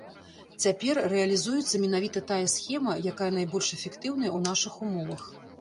Цяпер рэалізуецца менавіта тая схема, якая найбольш эфектыўная ў нашых умовах.